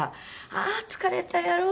「ああ疲れたやろ？